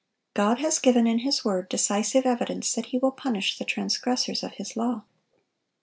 God has given in His word decisive evidence that He will punish the transgressors of His law.